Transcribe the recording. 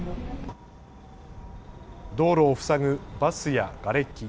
道路を塞ぐバスやがれき。